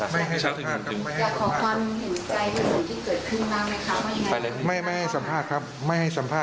เมฆไม่ดื่มเดื่อนอะไรเลยใช่ไหมคะ